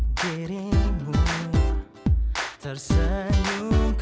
gitu harus dikerjain duk